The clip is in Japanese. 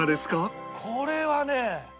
「これはね」